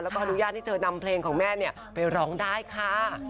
แล้วก็อนุญาตให้เธอนำเพลงของแม่ไปร้องได้ค่ะ